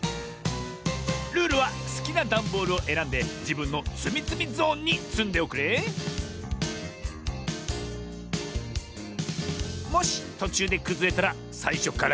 ルールはすきなダンボールをえらんでじぶんのつみつみゾーンにつんでおくれもしとちゅうでくずれたらさいしょからやりなおし。